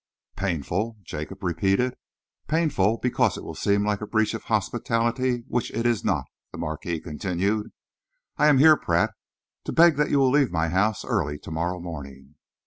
"Painful?" Jacob repeated. "Painful because it will seem like a breach of hospitality, which it is not," the Marquis continued. "I am here, Pratt, to beg that you will leave my house early to morrow morning."